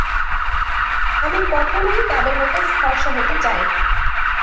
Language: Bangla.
আমি কখনোই তাদের মত ফর্সা হতে চাই না।